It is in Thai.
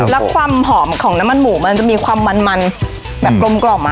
แล้วความหอมของน้ำมันหมูมันจะมีความมันแบบกลม